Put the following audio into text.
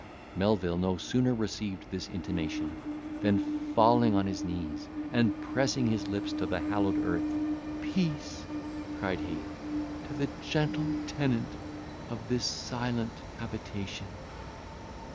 Melvil no sooner received this intimation, than falling on his knees, and pressing his lips to the hallowed earth, "Peace," cried he, "to the gentle tenant of this silent habitation."